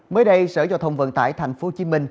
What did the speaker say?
mới đây sở giao thông vận tải tp hcm